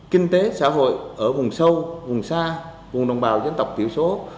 kinh tế xã hội ở vùng sâu vùng xa vùng đồng bào dân tộc thiểu số